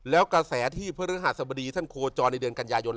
แล้วกระแสที่พระฤหัสบดีท่านโคจรในเดือนกันยายน